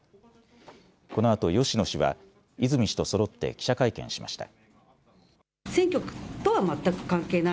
このあと芳野氏は泉氏とそろって記者会見しました。